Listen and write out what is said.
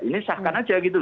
ini sahkan aja gitu